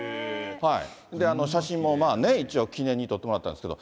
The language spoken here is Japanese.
あの写真もまあ一応、記念に撮ってもらったんですけど。